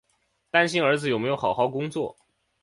担心儿子有没有好好工作